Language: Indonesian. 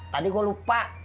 tadi gua lupa